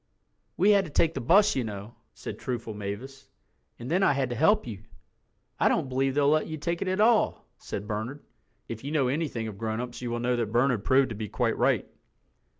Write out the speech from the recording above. "We had to take the bus, you know," said truthful Mavis, "and then I had to help you." "I don't believe they'll let you take it at all," said Bernard—if you know anything of grown ups you will know that Bernard proved to be quite right.